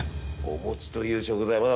お餅という食材